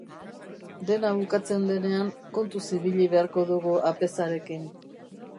Dena bukatzen denean, kontuz ibili beharko dugu Apezarekin.